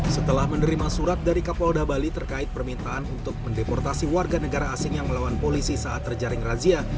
setelah menerima surat dari kapolda bali terkait permintaan untuk mendeportasi warga negara asing yang melawan polisi saat terjaring razia